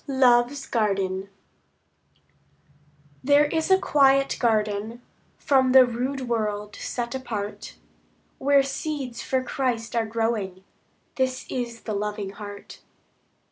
Love's Garden There is a quiet garden, From the rude world set apart, Where seeds for Christ are growing; This is the loving heart.